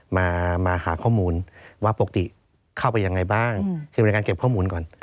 มาหาข้อมูลว่าปกติเข้าไปยังไงบ้างคือบริการเก็บข้อมูลก่อน